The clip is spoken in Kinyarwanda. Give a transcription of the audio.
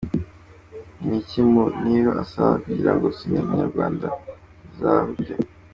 Ni iki Muniru asaba kugirango Sinema nyarwanda izahuke?.